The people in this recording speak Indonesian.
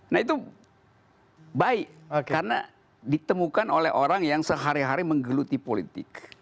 nah itu baik karena ditemukan oleh orang yang sehari hari menggeluti politik